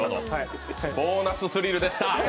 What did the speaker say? ボーナススリルでした。